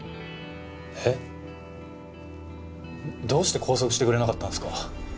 えっ？どうして拘束してくれなかったんですか？